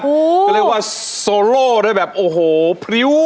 ก็เรียกว่าโซโลได้แบบโอ้โหพริ้ว